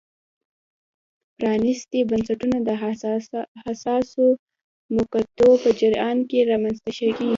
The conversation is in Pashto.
پرانیستي بنسټونه د حساسو مقطعو په جریان کې رامنځته کېږي.